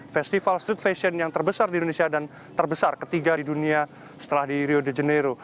festival street fashion yang terbesar di indonesia dan terbesar ketiga di dunia setelah di rio de janeiro